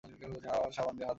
আবার সাবান দিয়ে হাত ধুচ্ছেন।